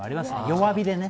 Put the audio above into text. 弱火でね。